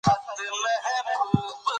ښه خلک د هرې کورنۍ ویاړ وي.